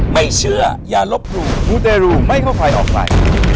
ไม่เชื่อยาลบหลุงมูเตรลุไม่เข้าฝ่ายออกไป